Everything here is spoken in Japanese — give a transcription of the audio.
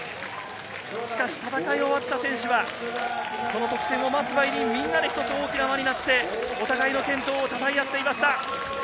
しかし戦いが終わった選手が、その得点をまずはみんなで一つ大きな輪になってお互いの健闘をたたえ合っていました。